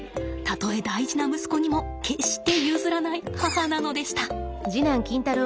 たとえ大事な息子にも決して譲らない母なのでした。